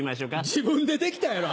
自分でできたやろ！